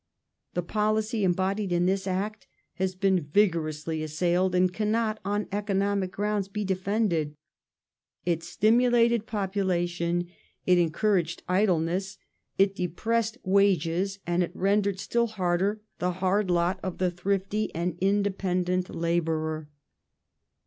The policy embodied in this *' Act" has been vigorously assailed and cannot on economic gi'ounds be defended. It stimulated population ; it encouraged idleness ; it depressed wages, and it rendered still harder the hard lot of the thrifty and independent labourer.